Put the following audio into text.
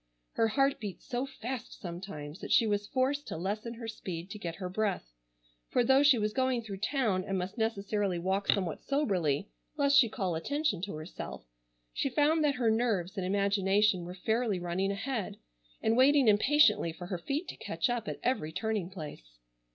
Her heart beat so fast sometimes that she was forced to lessen her speed to get her breath, for though she was going through town, and must necessarily walk somewhat soberly lest she call attention to herself, she found that her nerves and imagination were fairly running ahead, and waiting impatiently for her feet to catch up at every turning place.